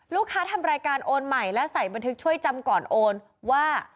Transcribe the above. ทำรายการโอนใหม่และใส่บันทึกช่วยจำก่อนโอนว่า